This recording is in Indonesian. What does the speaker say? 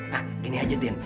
nah gini aja din